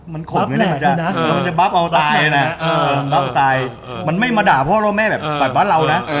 มีชั้นเชิงในการบับกันอะ